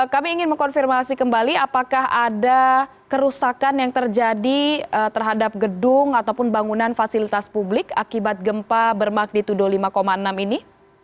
kami ingin mengkonfirmasi kembali apakah ada kerusakan yang terjadi terhadap gedung ataupun bangunan fasilitas publik akibat gempa bermagnitudo lima enam ini